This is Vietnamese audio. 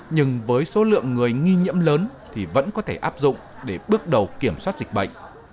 nhưng với số lượng người nghi nhiễm lớn thì vẫn có thể áp dụng để bước đầu kiểm soát dịch bệnh